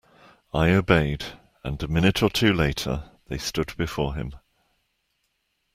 I obeyed, and a minute or two later they stood before him.